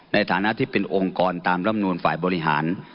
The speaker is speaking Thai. ในฐานะที่เป็นองค์กรตามรำนูนฝ่ายบริหาร